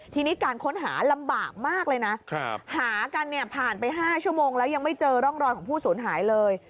ทีนี้การค้นหาลำบากมากเลยนะหากันเนี่ยผ่านไป๕ชั่วโมงแล้วยังไม่เจอร่องรอยของผู้สูญหายเลย